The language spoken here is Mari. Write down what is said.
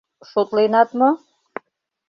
Шотленат мо?